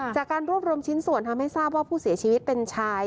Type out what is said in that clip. จากการรวบรวมชิ้นส่วนทำให้ทราบว่าผู้เสียชีวิตเป็นชาย